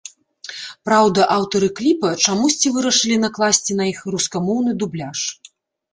Праўда, аўтары кліпа чамусьці вырашылі накласці на іх рускамоўны дубляж.